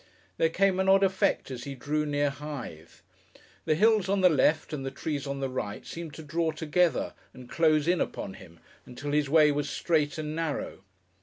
There came an odd effect as he drew near Hythe. The hills on the left and the trees on the right seemed to draw together and close in upon him until his way was straight and narrow.